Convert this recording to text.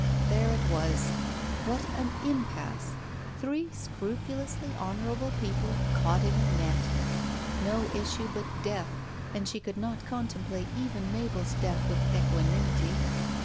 There it was ! What an impasse ! Three scrupul ously honourable people caught in a net ! No issue but death, and she could not contemplate even Mabel's death with equanimity.